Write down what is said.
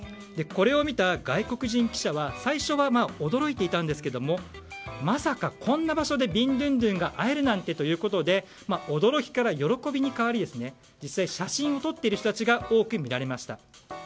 これを見た外国人記者は最初は驚いていたんですけれどもまさかこんな場所でビンドゥンドゥンに会えるなんてということで驚きから喜びに変わり実際に写真を撮っている人たちが多く見られました。